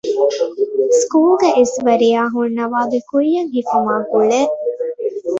ސުކޫލްގެ އިސްވެރިޔާ ހުންނަވާގެ ކުއްޔަށް ހިފުމާއި ގުޅޭ